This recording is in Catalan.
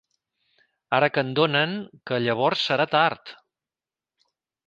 Ara que en donen, que llavors serà tard!